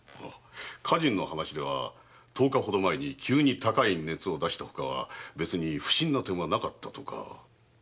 家人の話では十日ほど前に急に高い熱を出したほかは別に不審な点はなかったとか。